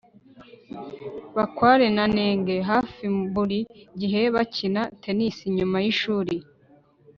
bakware na nenge hafi buri gihe bakina tennis nyuma yishuri